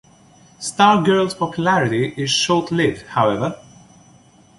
Stargirl's popularity is short-lived, however.